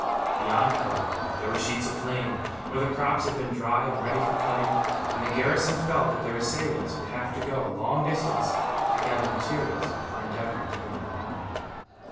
Beyond, however, there were sheets of flame, where the crops had been dry and ready for cutting; and the garrison felt that their assailants would have to go a long distance, to gather materials for endeavouring to burn them out.